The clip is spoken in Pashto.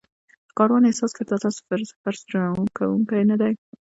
کاروان احساس کړ دا ځل سفر ستړی کوونکی نه دی.